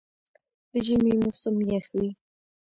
د ژمي موسم یخ وي.